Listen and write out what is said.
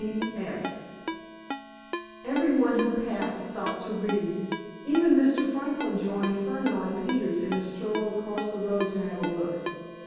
T. S."_ Everyone who passed stopped to read. Even Mr. Franklin joined Furneaux and Peters in a stroll across the road to have a look.